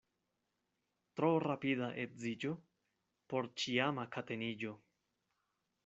Tro rapida edziĝo — porĉiama kateniĝo.